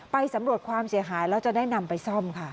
สำรวจความเสียหายแล้วจะได้นำไปซ่อมค่ะ